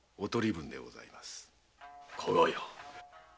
加賀屋。